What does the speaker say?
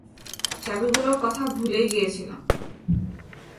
চাবিগুলোর কথা ভুলেই গিয়েছিলাম।